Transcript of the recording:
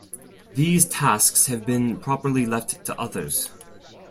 These tasks have been properly left to others.